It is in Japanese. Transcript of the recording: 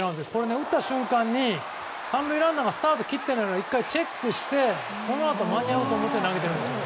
打った瞬間に、３塁ランナーがスタートを切ったのを１回チェックしてそのあと、間に合うと思って投げてるんですよね。